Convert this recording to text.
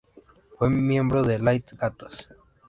Fue miembro de Little Gatas.